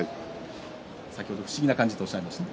先ほど不思議な感じとおっしゃっていました。